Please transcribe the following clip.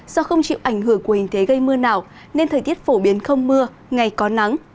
do không chịu ảnh hưởng của hình thế gây mưa nào nên thời tiết phổ biến không mưa ngày có nắng